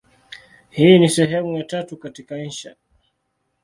Hii ni sehemu ya tatu katika insha.